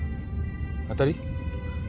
当たり？